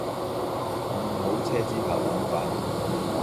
幸好車子跑得很快